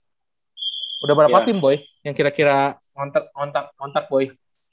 kontrak udah mau habis udah berapa tim boy yang kira kira kontak boy